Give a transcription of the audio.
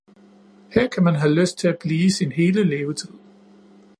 Her kan man have lyst til at blive sin hele levetid